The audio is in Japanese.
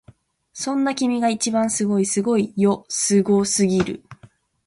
そんな君が一番すごいすごいよすごすぎる！